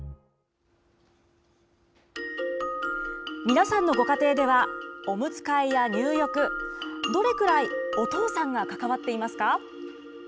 皆さんのご家庭では、おむつ替えや入浴、どれくらいお父さんが関わっていますか？